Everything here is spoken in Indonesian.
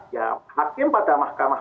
ya hakim pada mahkamah